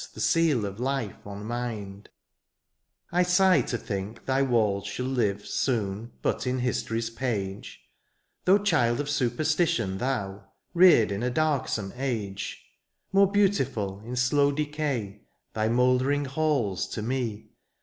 163 I sigh to think thy walls shall live Soon, but in history^s page ; Though child of superstition thou. Reared in a darksome age. More beautiful in slow decay. Thy mouldering halls to me.